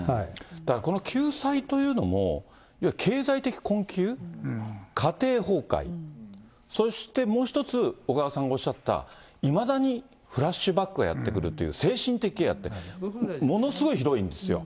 だからこの救済というのも、いわゆる経済的困窮、家庭崩壊、そしてもう一つ、小川さんがおっしゃった、いまだにフラッシュバックがやって来るという、精神的ケアって、ものすごいひどいんですよ。